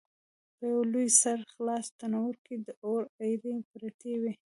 په یوه لوی سره خلاص تنور کې د اور ایرې پرتې وې.